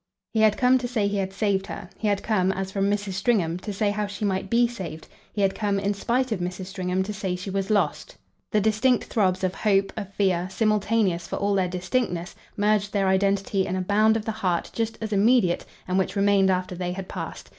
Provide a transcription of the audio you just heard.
He had come to say he had saved her he had come, as from Mrs. Stringham, to say how she might BE saved he had come, in spite of Mrs. Stringham, to say she was lost: the distinct throbs of hope, of fear, simultaneous for all their distinctness, merged their identity in a bound of the heart just as immediate and which remained after they had passed.